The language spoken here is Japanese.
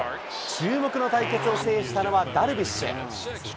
注目の対決を制したのはダルビッシュ。